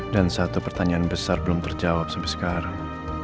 dan satu pertanyaan besar belum terjawab sampai sekarang